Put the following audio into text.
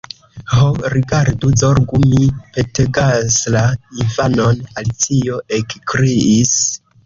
"Ho, rigardu, zorgu, mi petegasla infanon!" Alicio ekkriis.